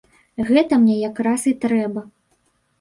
Гэта мне якраз і трэба.